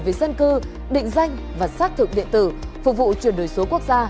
về dân cư định danh và xác thực điện tử phục vụ chuyển đổi số quốc gia